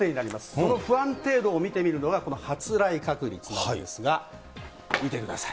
この不安定度を見てみるのが、この発雷確率なんですが、見てください。